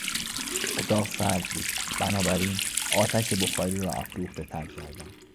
اتاق سرد بود بنابراین آتش بخاری را افروختهتر کردم.